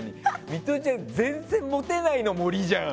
ミトちゃん全然モテないの森じゃん。